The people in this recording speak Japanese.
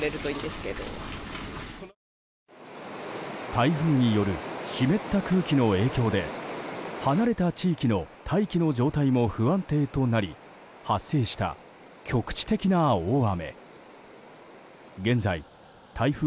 台風による湿った空気の影響で離れた地域の大気の状態も不安定となり発生した局地的な大雨。